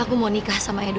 aku mau nikah sama edo